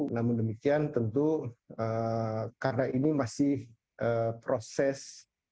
namun demikian tentu karena ini masih proses